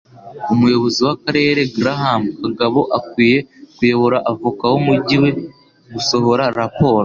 Umuyobozi w'akarere Graham Kagabo akwiye kuyobora avoka wumujyi we gusohora raporo